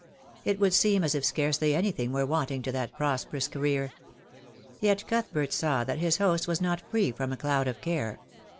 It would seem as if scarcely anything were wanting to that prosperous career. Yet Cuthbert saw that his host was not free from a cloud of care.